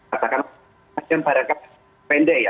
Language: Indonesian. katakanlah nasdem barangkali pendek ya